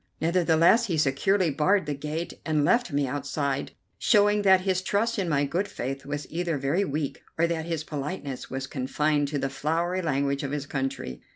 Nevertheless he securely barred the gate and left me outside, showing that his trust in my good faith was either very weak, or that his politeness was confined to the flowery language of his country.